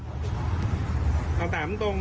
พี่เขาบอกพี่ไปขยับกระจก๕๖ทีเพื่อมองหน้ามองเขาเนี่ยจริงมั้ย